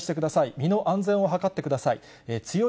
身の安全を図ってください。